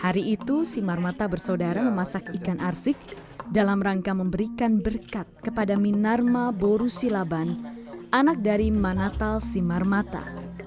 hari itu si marmata bersaudara memasak ikan arsik dalam rangka memberikan berkat kepada minarma borusilaban anak dari manatal simarmata